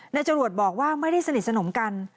จรวดบอกว่าไม่ได้สนิทสนมกัน